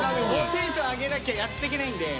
テンション上げなきゃやってけないんで。